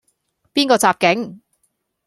邊個襲警?